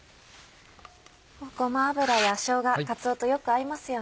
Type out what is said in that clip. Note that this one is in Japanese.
ごま油やしょうがかつおとよく合いますよね。